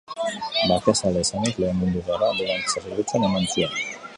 Bakezalea izanik, Lehen Mundu Gerra anbulantzia-zerbitzuan eman zuen.